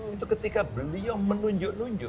itu ketika beliau menunjuk nunjuk